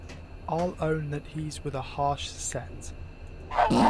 I’ll own that he’s with a harsh set.